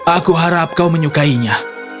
aku harap kau menyukainya